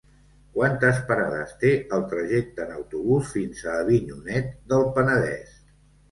Quantes parades té el trajecte en autobús fins a Avinyonet del Penedès?